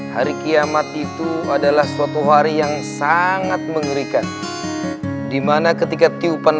hari kiamat itu adalah suatu hari yang sangat mengerikan dimana ketika tiupan